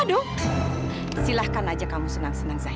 tak ada valleta menja